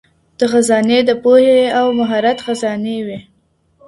دا خزانې د پوهې او مهارت خزانې وې.